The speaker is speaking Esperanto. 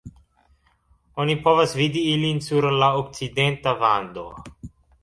Oni povas vidi ilin sur la okcidenta vando.